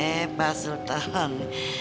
eh pak sultan